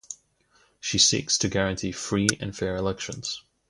She seeks to guarantee free and fair elections.